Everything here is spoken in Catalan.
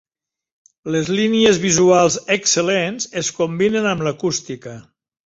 Les línies visuals excel·lents es combinen amb l'acústica.